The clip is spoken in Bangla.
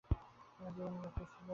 তোমার জীবনের লক্ষ্য ছিল।